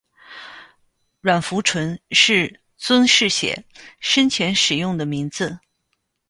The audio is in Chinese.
阮福淳是尊室协生前使用的名字。